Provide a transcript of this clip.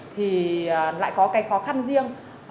thì lại có cái khó khăn riêng